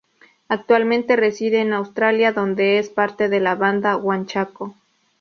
Actualmente reside en Australia donde es parte de la banda "Huanchaco".